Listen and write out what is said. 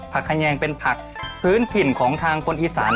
คันแยงเป็นผักพื้นถิ่นของทางคนอีสาน